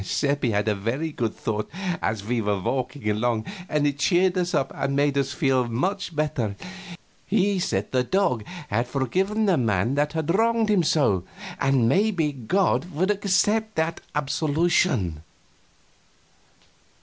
Seppi had a very good thought as we were walking along, and it cheered us up and made us feel much better. He said the dog had forgiven the man that had wronged him so, and maybe God would accept that absolution.